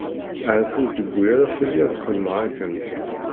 Ahat ur d-yewwi ara fell-i ad xedmeɣ akken.